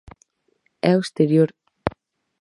É o exterior.